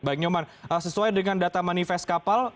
baik nyoman sesuai dengan data manifest kapal